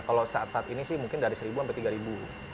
kalau saat saat ini sih mungkin dari seribu sampai tiga ribu